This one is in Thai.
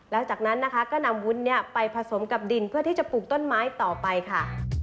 แล้วจากนั้นนะคะก็นำวุ้นไปผสมกับดินเพื่อที่จะปลูกต้นไม้ต่อไปค่ะ